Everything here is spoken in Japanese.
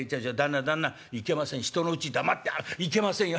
いけません人のうち黙っていけませんよ。